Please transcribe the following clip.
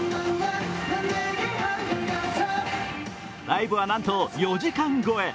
ライブはなんと４時間超え。